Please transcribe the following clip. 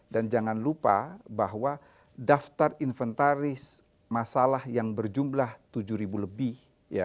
dan jangan lupa bahwa daftar inventaris masalah yang berjumlah tujuh lebih